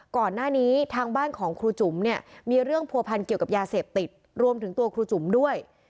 ก่อนหน้านี้ทางบ้านของครูจุ๋มเนี่ยมีเรื่องผัวพันเกี่ยวกับยาเสพติดรวมถึงตัวครูจุ๋มด้วย